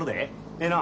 ええな？